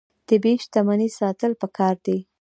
طبیعي شتمنۍ ساتل پکار دي.